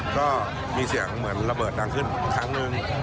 ก็มีเสียงระเบิดดั่งขึ้นครั้งหนึ่ง